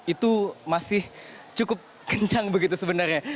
itu masih cukup kencang begitu sebenarnya